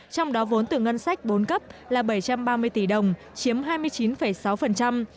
trong đó vốn từ ngân sách bốn cấp là bảy trăm ba mươi tỷ đồng chiếm hai mươi chín sáu